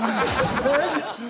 えっ？